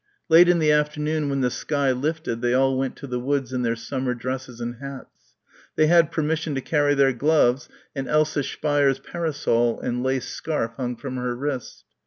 Late in the afternoon when the sky lifted they all went to the woods in their summer dresses and hats. They had permission to carry their gloves and Elsa Speier's parasol and lace scarf hung from her wrist.